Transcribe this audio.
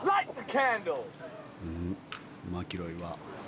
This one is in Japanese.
マキロイは。